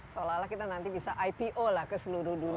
seolah olah kita nanti bisa ipo lah ke seluruh dunia